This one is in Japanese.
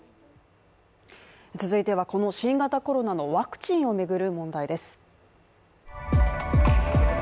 続いては、この新型コロナのワクチンを巡る問題です。